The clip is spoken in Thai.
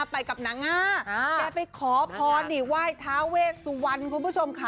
ไปกับนางง่าแกไปขอพรนี่ไหว้ทาเวสวรรณคุณผู้ชมค่ะ